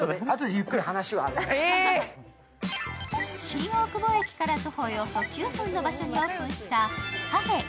新大久保駅から徒歩およそ９分の場所にオープンしたＣＡＦＥｉＮ。